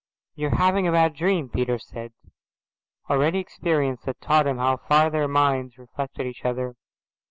"You are having a bad dream," Peter said. Already experience had taught him how far their minds reflected each other.